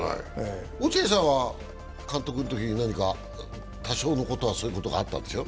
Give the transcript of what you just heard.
落合さんは監督のときに何か多少のことはそういうことあったんでしょ？